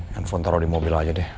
handphone taruh di mobil aja deh